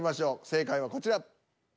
正解はこちら。